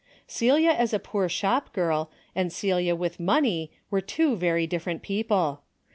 Celia as a poor shop girl, and Celia with money were two very dif ferent people.